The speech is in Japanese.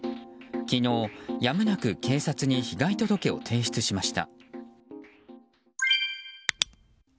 昨日、やむなく警察に被害届を提出しました。